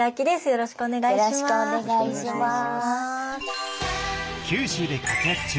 よろしくお願いします。